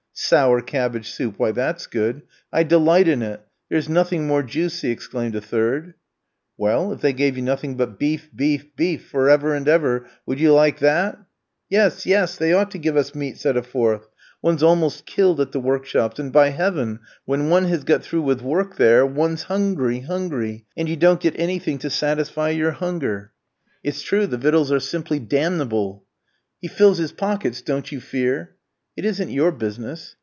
"Sour cabbage soup, why, that's good. I delight in it; there's nothing more juicy," exclaimed a third. "Well, if they gave you nothing but beef, beef, beef, for ever and ever, would you like that?" "Yes, yes; they ought to give us meat," said a fourth; "one's almost killed at the workshops; and, by heaven! when one has got through with work there one's hungry, hungry; and you don't get anything to satisfy your hunger." "It's true, the victuals are simply damnable." "He fills his pockets, don't you fear!" "It isn't your business."